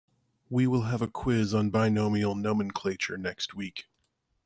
We will have a quiz on binomial nomenclature next week.